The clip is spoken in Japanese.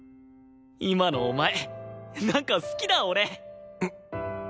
今のお前なんか好きだ俺。